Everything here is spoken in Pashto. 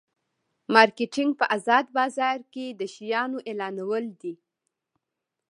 مارکیټینګ په ازاد بازار کې د شیانو اعلانول دي.